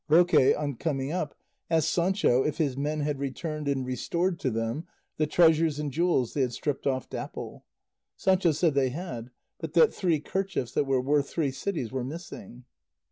Roque on coming up asked Sancho if his men had returned and restored to him the treasures and jewels they had stripped off Dapple. Sancho said they had, but that three kerchiefs that were worth three cities were missing.